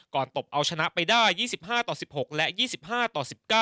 ตบเอาชนะไปได้๒๕ต่อ๑๖และ๒๕ต่อ๑๙